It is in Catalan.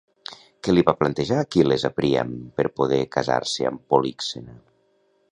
Què li va plantejar Aquil·les a Príam per poder casar-se amb Políxena?